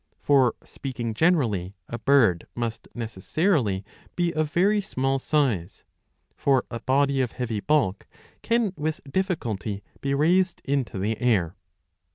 For, speaking generally, a bird must necessarily be of very small size. For a body of heavy bulk can with difficulty be raised into the air.